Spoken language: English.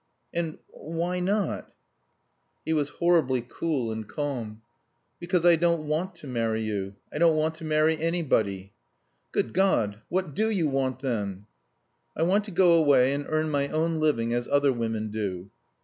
"And why not?" He was horribly cool and calm. "Because I don't want to marry you. I don't want to marry anybody." "Good God! What do you want, then?" "I want to go away and earn my own living as other women do."